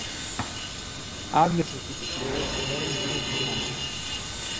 άδειασε εκει το σίδερο και φέρε μου πίσω τη χειράμαξα.